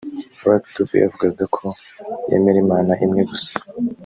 Lucky Dube yavugaga ko yemera Imana imwe gusa